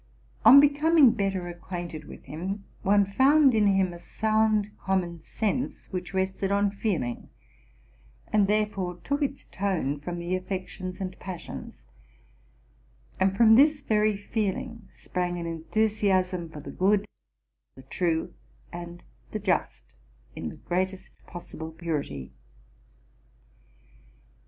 On becoming better acquainted with him, one found in him a sound common sense, which rested on feeling, and therefore took its tone from the affections and passions ; and from this very feeling sprang an enthusiasm for the good, the true, and the just, in the greatest possible purity.